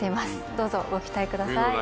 どうぞご期待ください